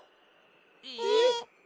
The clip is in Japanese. えっ？